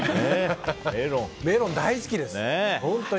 メロン大好きです。